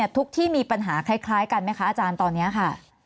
ที่มีปัญหาคล้ายกันไหมคะอาจารย์ตอนนี้ค่ะ